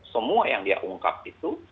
semua yang dia ungkap itu